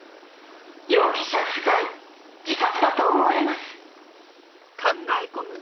「容疑者不在自殺だと思われます」